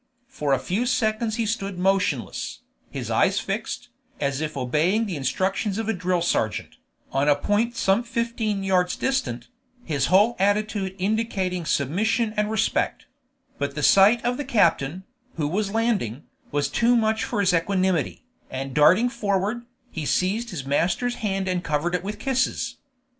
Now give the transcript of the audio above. For a few seconds he stood motionless, his eyes fixed, as if obeying the instructions of a drill sergeant, on a point some fifteen yards distant, his whole attitude indicating submission and respect; but the sight of the captain, who was landing, was too much for his equanimity, and darting forward, he seized his master's hand and covered it with kisses.